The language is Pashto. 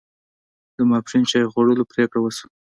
د ماپښین چای خوړلو پرېکړه وشوه.